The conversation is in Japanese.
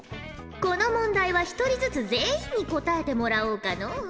この問題は一人ずつ全員に答えてもらおうかのう。